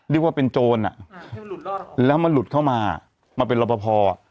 เรียกว่าเป็นโจรอ่ะแล้วมันหลุดเข้ามามาเป็นรอปภ